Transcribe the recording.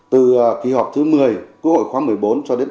từ kỳ họp thứ một mươi của khóa một mươi bốn cho đến